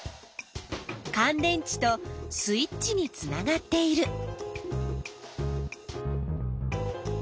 かん電池とスイッチにつながっている。